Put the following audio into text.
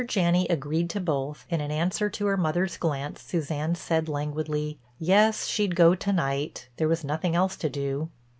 Janney agreed to both and in answer to her mother's glance Suzanne said languidly, "Yes, she'd go to night—there was nothing else to do."